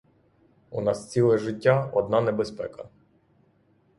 У нас ціле життя — одна небезпека.